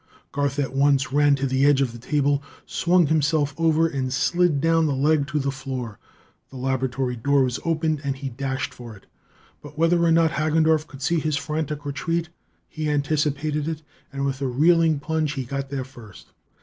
Garth at once ran to the edge of the table, swung himself over and slid down the leg to the floor. The laboratory door was open and he dashed for it. But, whether or not Hagendorff could see his frantic retreat, he anticipated it, and with a reeling plunge he got there first.